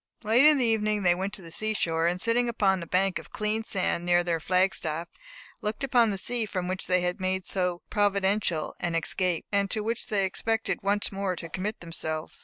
Late in the evening they went to the seashore, and sitting upon a bank of clean sand near their flag staff, looked upon the sea from which they had made so providential an escape, and to which they expected once more to commit themselves.